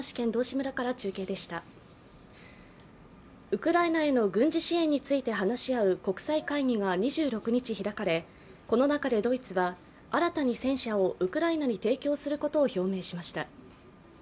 ウクライナへの軍事支援について話し合う国際会議が２６日、話し合われ、この中でドイツは、新たに戦車をウクライナに提供することを表明しました。